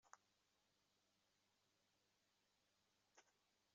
Ilaq ad t-id-nsellek dindin.